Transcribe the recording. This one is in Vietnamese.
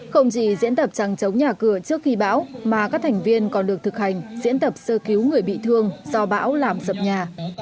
không chỉ diễn tập trăng chống nhà cửa trước khi bão mà các thành viên còn được thực hành diễn tập sơ cứu người bị thương do bão làm sập nhà